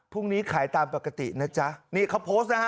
พรุ่งนี้ขายตามปกตินะจ๊ะนี่เขาโพสต์นะฮะ